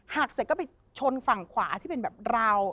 หักเสร็จก็ไปชนฝั่งขวาที่เป็นแบบราว